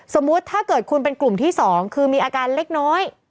สมมุติถ้าเกิดคุณเป็นกลุ่มที่๒คือมีอาการเล็กน้อย